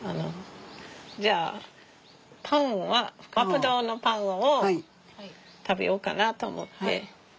じゃあパンはわっぱ堂のパンを食べようかなと思って。